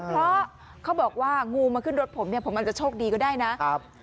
เพราะเขาบอกว่างูมาขึ้นรถผมเนี่ยผมอาจจะโชคดีก็ได้นะครับ